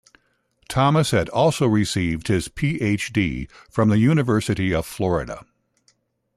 Thomas has also received his Ph.D. from the University of Florida.